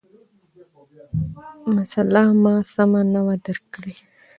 مسأله ما سمه نه وه درک کړې،